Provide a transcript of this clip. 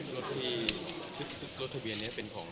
รถทะเบียนนี้